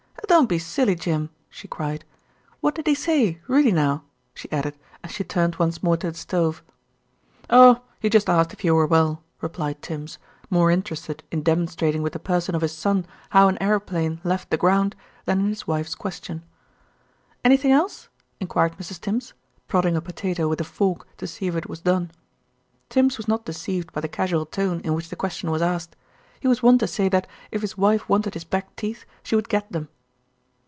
"Don't be silly, Jim," she cried. "What did he say, really now?" she added as she turned once more to the stove. "Oh! he just asked if you were well," replied Tims, more interested in demonstrating with the person of his son how an aeroplane left the ground than in his wife's question. "Anything else?" enquired Mrs. Tims, prodding a potato with a fork to see if it was done. Tims was not deceived by the casual tone in which the question was asked. He was wont to say that, if his wife wanted his back teeth, she would get them.